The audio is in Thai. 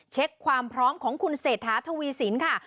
เช็คความพร้อมของคุณเศรษฐาทวีสินค่ะ